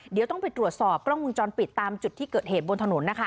เดี๋ยวต้องไปตรวจสอบกล้องวงจรปิดตามจุดที่เกิดเหตุบนถนนนะคะ